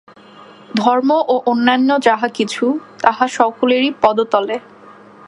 ধর্ম ও অন্যান্য যাহা কিছু, সবই তাহাদের পদতলে।